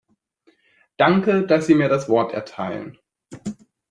Danke, dass Sie mir das Wort erteilen.